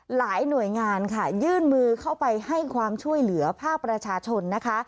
หลายหน่วยงานค่ะยื่นมือเข้าไปให้ความช่วยเหลือภาคประชาชนนะคะ